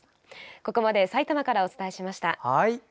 ここまで埼玉からお伝えしました。